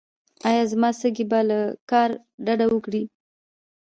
ایا زما سږي به له کار ډډه وکړي؟